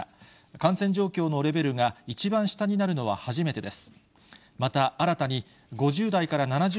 感染状況のレベルが一番下になるのは初めてです。